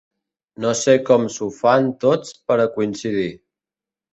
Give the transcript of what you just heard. No sé com s'ho fan tots per a coincidir.